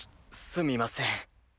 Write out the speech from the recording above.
すみません。